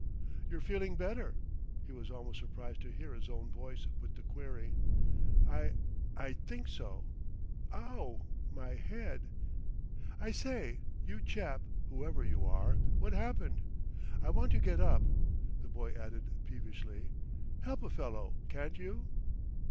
"You're feeling better?" He was almost surprised to hear his own voice put the query. "I I think so. Ow, my head!... I say, you chap, whoever you are, what's happened?... I want to get up." The boy added peevishly: "Help a fellow, can't you?"